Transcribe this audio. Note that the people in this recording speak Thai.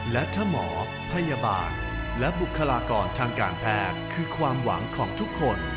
และถ้าหมอพยาบาลและบุคลากรทางการแพทย์คือความหวังของทุกคน